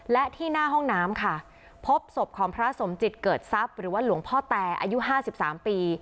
และที่หน้าห้องน้ำค่ะพบศพของพระสมจิตเกิดทรัพย์หรือว่าหลวงพ่อแตอายุ๕๓ปี